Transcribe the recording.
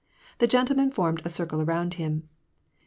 The gentlemen formed a cir cle around him.